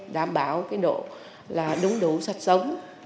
đảm bảo cái độ là đúng đủ sạch sống